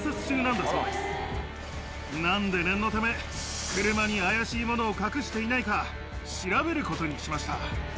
なんで念のため車に怪しいものを隠していないか調べることにしました。